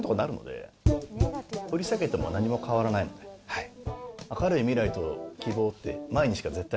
はい。